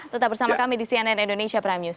tetap bersama kami di cnn indonesia prime news